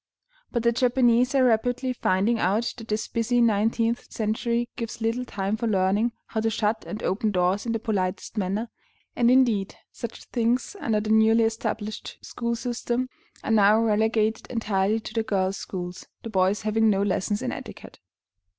But the Japanese are rapidly finding out that this busy nineteenth century gives little time for learning how to shut and open doors in the politest manner, and indeed such things under the newly established school system are now relegated entirely to the girls' schools, the boys having no lessons in etiquette.